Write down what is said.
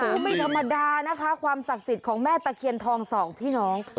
โอ้โหไม่ธรรมดานะคะความศักดิ์สิทธิ์ของแม่ตะเคียนทองสองพี่น้อง